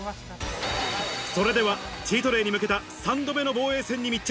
それではチートデイに向けた３度目の防衛戦に密着。